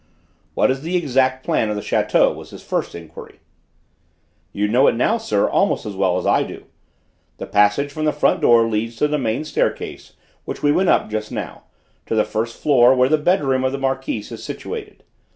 "What is the exact plan of the château?" was his first enquiry. "You know it now, sir, almost as well as I do. The passage from the front door leads to the main staircase, which we went up just now, to the first floor where the bedroom of the Marquise is situated.